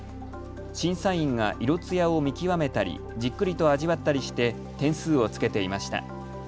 審査員が色つやを見極めたりじっくりと味わったりして点数をつけていました。